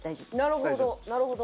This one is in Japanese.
なるほどなるほど。